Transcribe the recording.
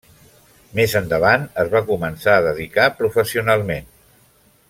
Més endavant es va començar a dedicar professionalment.